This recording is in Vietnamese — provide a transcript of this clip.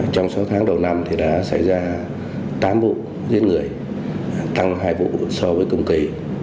trong sáu tháng đầu năm thì đã xảy ra tám vụ giết người tăng hai vụ so với cùng kỳ